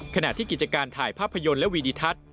ขณะที่กิจการถ่ายภาพยนตร์และวีดิทัศน์